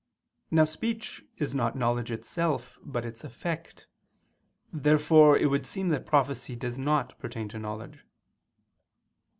Now speech is not knowledge itself, but its effect. Therefore it would seem that prophecy does not pertain to knowledge.